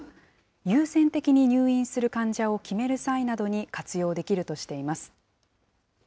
優先的に入院する患者を決める際などに活用できるとしています。